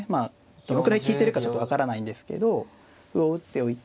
どのくらい利いてるかちょっと分からないんですけど歩を打っておいて